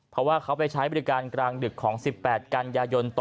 เพราะว่าเขาไปใช้บริการกลางดึกของ๑๘กันยายนต่อ